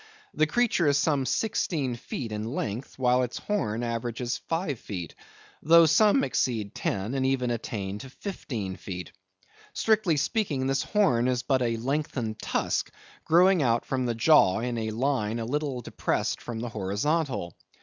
The creature is some sixteen feet in length, while its horn averages five feet, though some exceed ten, and even attain to fifteen feet. Strictly speaking, this horn is but a lengthened tusk, growing out from the jaw in a line a little depressed from the horizontal.